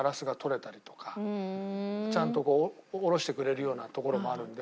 ちゃんと卸してくれるようなところもあるんで。